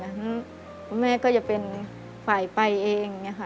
ฉะนั้นก็โอเคก็ไว้เป็นสหายไปเอง